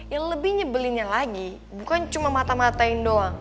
ya lebih nyebelinnya lagi bukan cuma mata matain doang